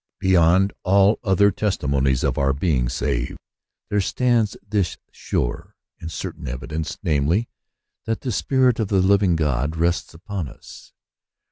Beyond all other testimonies of our being saved, there stands this sure and certain evidence, namely, that the Spirit of the living God rests upon us.